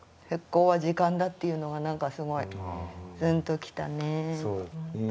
復興は時間だっていうのが何かすごいズンときたね。